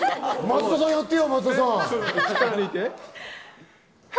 宮崎さんやってよ。